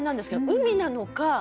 海なのか。